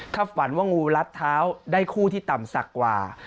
ถ้าฝันว่างูรัดเท้าได้คู่ที่ต่ำสักกว่า